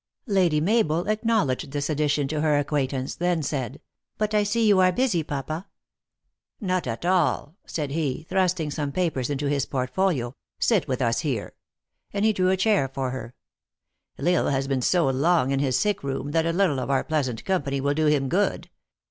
Lady Mabel acknowledged this addition to her ac quaintance ; then said, " but I see you are busy, papa." "Not at all," said he, thrusting some papers into his portfolio, " sit with us here ;" and he drew a chair for her. " L Isle has been so long in his sick room, that a little of our pleasant company will do him good.